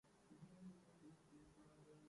بہ جلوہ ریـزئ باد و بہ پرفشانیِ شمع